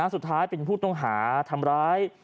สุดท้ายเป็นผู้ต้องหาทำร้าย